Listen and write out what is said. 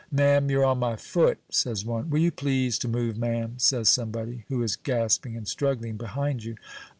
"Ma'am, you're on my foot!" says one. "Will you please to move, ma'am?" says somebody, who is gasping and struggling behind you.